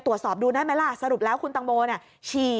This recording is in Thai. ตรวจสอบดูได้ไหมล่ะสรุปแล้วคุณตังโมฉี่